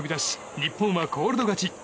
日本はコールド勝ち。